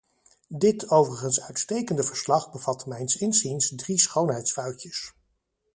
Dit overigens uitstekende verslag bevat mijns inziens drie schoonheidsfoutjes.